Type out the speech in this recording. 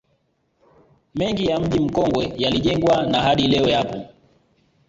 Mengi ya mji Mkongwe yalijengwa na hadi leo yapo